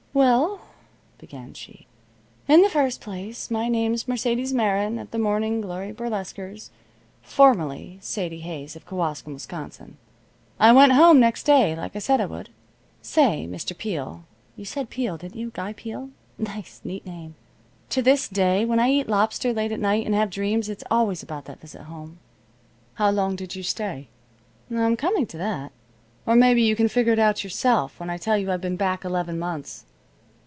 "Well," began she, "in the first place, my name's Mercedes Meron, of the Morning Glory Burlesquers, formerly Sadie Hayes of Kewaskum, Wisconsin. I went home next day, like I said I would. Say, Mr. Peel (you said Peel, didn't you? Guy Peel. Nice, neat name), to this day, when I eat lobster late at night, and have dreams, it's always about that visit home." "How long did you stay?" "I'm coming to that. Or maybe you can figure it out yourself when I tell you I've been back eleven months.